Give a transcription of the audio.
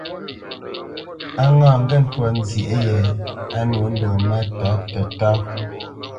A ŋâ ŋgê ntwá nzyêʼ yē á nwô ndo máta tətá.